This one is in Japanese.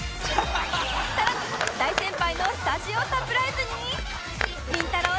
さらに大先輩のスタジオサプライズにりんたろー。